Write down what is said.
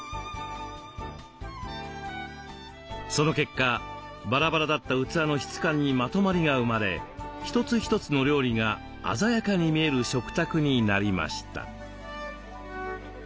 その結果バラバラだった器の質感にまとまりが生まれ一つ一つの料理が鮮やかに見える食卓になりました。